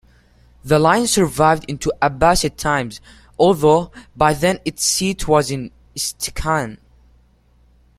The line survived into Abbasid times, although by then its seat was in Istikhan.